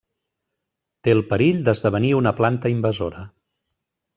Té el perill d'esdevenir una planta invasora.